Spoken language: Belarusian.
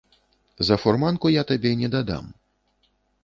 За фурманку я табе недадам.